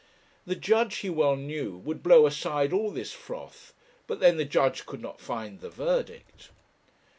The judge, he well knew, would blow aside all this froth; but then the judge could not find the verdict.